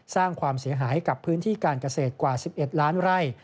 สร้างความเสียหายกับพื้นที่การเกษตรกว่า๑๑ล้านไร่